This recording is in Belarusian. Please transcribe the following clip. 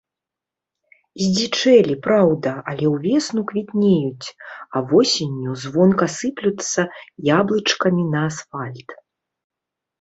Здзічэлі, праўда, але ўвесну квітнеюць, а восенню звонка сыплюцца яблычкамі на асфальт.